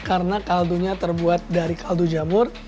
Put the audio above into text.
karena kaldunya terbuat dari kaldu jamur